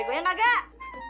engga lah bang yang ganteng